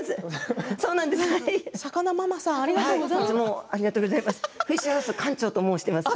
さかなママさんありがとうございます。